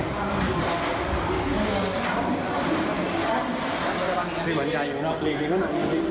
วันนี้ที่หวัญชายอยู่น้อครีฟนี่มัน